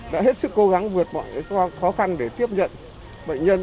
đã hết sức cố gắng vượt mọi khó khăn để tiếp nhận bệnh nhân